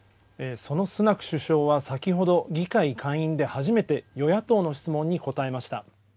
そのスナク首相は先ほど議会下院で初めて与野党の質問に答えました。